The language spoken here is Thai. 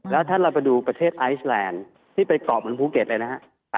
แล้วถ้าเราไปดูประเทศอไซส์ลานด์ที่ไปเกาะภูเก็ตเลยนะฮะ